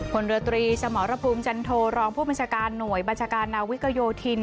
เรือตรีสมรภูมิจันโทรองผู้บัญชาการหน่วยบัญชาการนาวิกโยธิน